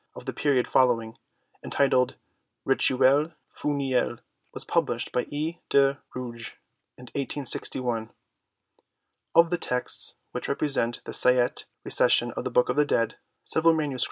of the period following, entitled Rituel Funeraire, was published by E. de Rouge in 1 86 1. Of the texts which represent the Sai'te Recension of the Book of the Dead, several MSS.